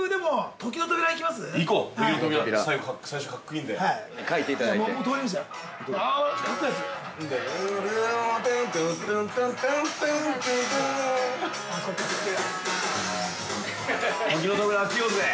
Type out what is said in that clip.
◆「時の扉」開けようぜ。